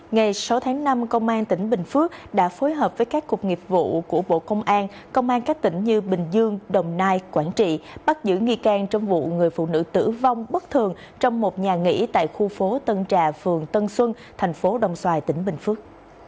ngày sáu tháng năm công an tỉnh bình phước đã phối hợp với các cục nghiệp vụ của bộ công an công an các tỉnh như bình dương đồng nai quảng trị bắt giữ nghi can trong vụ người phụ nữ tử vong bất thường trong một nhà nghỉ tại khu phố tân trà phường tân xuân thành phố đồng xoài tỉnh bình phước